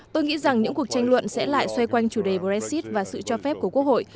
tôi nghĩ rằng những cuộc tranh luận sẽ lại xoay quanh chủ đề brexit và sự cho phép của quốc hội